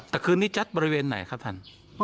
แต่คืนนี้จัดบริเวณไหนครับท่าน